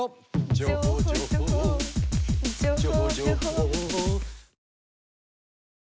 「情報情報情報情報」